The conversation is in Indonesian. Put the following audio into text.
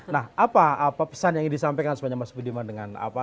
nah apa pesan yang ingin disampaikan sebenarnya mas budiman dengan apa